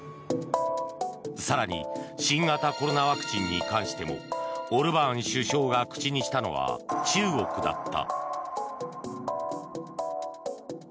更に新型コロナワクチンに関してもオルバーン首相が口にしたのは中国だった。